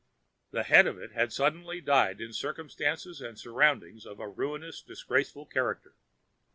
The head of it had suddenly died in circumstances and surroundings of a ruinously disgraceful character.